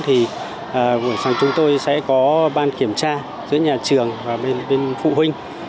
thì buổi sáng chúng tôi sẽ có ban kiểm tra giữa nhà trường và bên phụ huynh